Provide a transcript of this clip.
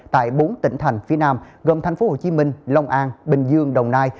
tại bốn tỉnh thành phía nam gồm tp hcm long an bình dương đồng nai